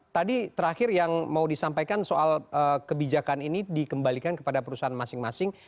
tadi terakhir yang mau disampaikan soal kebijakan ini dikembalikan kepada perusahaan masing masing